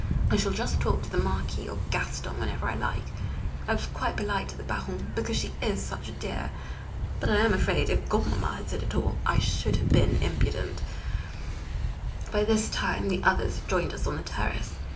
I shall just talk to the Marquis or "Gaston" whenever I like, I was quite polite to the Baronne, because she is such a dear; but I am afraid, if Godmamma had said it all, I should have been impudent. [Sidenote: An Alternative Plan] By this time the others had joined us on the terrace.